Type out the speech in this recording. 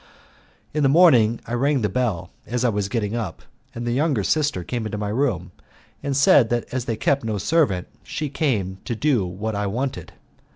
In the morning I rang the bell as I was getting up, and the younger sister came into my room, and said that as they kept no servant she had come to do what I wanted.